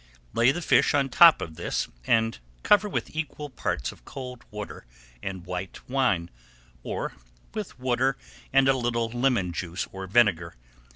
Lay the fish on top of this and cover with equal parts of cold water and white wine, or with water and a little lemon juice or vinegar.